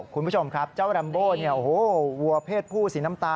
คุณผู้ชมครับเจ้าลัมโบวัวเพศผู้สีน้ำตา